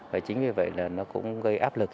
và chính vì vậy là nó cũng gây áp lực